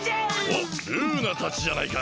おっルーナたちじゃないか。